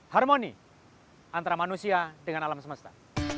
harmoni antara manusia dengan alam semesta